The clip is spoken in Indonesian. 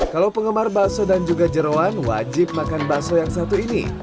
kalau penggemar bakso dan juga jerawan wajib makan bakso yang satu ini